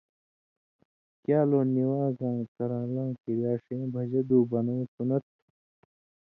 کیالو نِوان٘زاں کران٘لاں کِریا ݜیں بھژدہ دُو بنؤں سُنّت تھُو۔